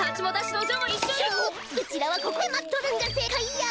うちらはここで待っとるんが正解や！